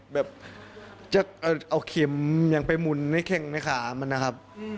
แบบจะเอาเข็มอย่างไปหมุนในแข้งในขามันนะครับ